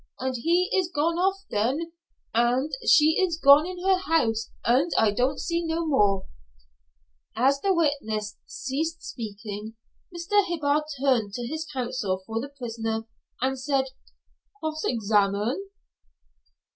Und he is gone off den, und she is gone in her house, und I don't see more no." As the witness ceased speaking Mr. Hibbard turned to counsel for the prisoner and said: "Cross examine."